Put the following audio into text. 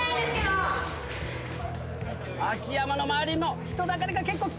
秋山の周りにも人だかりが結構来てる。